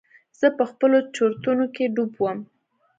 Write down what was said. زه په خپلو چورتونو کښې ډوب وم.